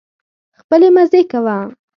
خپلې مزې کوه